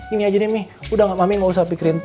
ini aja deh ming udah gak mami gak usah pikirin itu aja ming